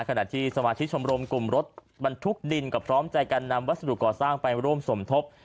ขณะที่สมาชิกชมรมกลุ่มรถบรรทุกดินก็พร้อมใจการนำวัสดุก่อสร้างไปร่วมสมทบ